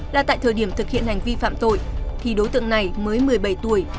là tại thời điểm thực hiện hành vi phạm tội thì đối tượng này mới một mươi bảy tuổi